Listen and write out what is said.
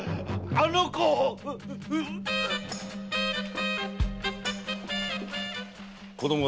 あの子は？